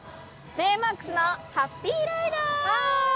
ベイマックスのハッピーライド！